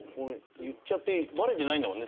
言っちゃってバレてないもんね